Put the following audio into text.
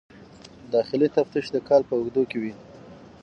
داخلي تفتیش د کال په اوږدو کې وي.